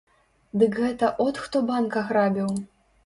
Дык гэта от хто банк аграбіў!